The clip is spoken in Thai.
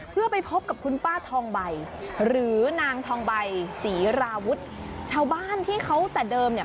เพื่อไปพบกับคุณป้าทองใบหรือนางทองใบศรีราวุฒิชาวบ้านที่เขาแต่เดิมเนี่ย